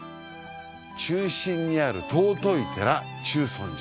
中心にある尊い寺中尊寺。